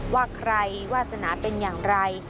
ว่าใครวาสนาเป็นอย่างไร